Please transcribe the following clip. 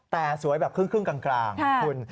แต่สวยแบบครึ่งกลางคุณ